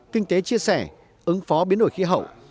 kinh tế chia sẻ ứng phó biến đổi khí hậu